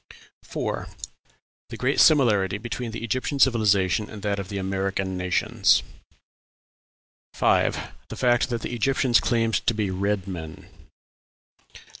4. The great similarity between the Egyptian civilization and that of the American nations. 5. The fact that the Egyptians claimed to be red men.